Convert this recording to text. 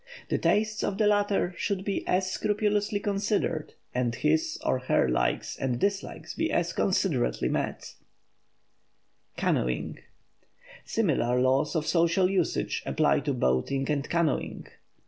The tastes of the latter should be as scrupulously considered and his or her likes and dislikes be as considerately met. [Sidenote: CANOEING] Similar laws of social usages apply to boating and canoeing.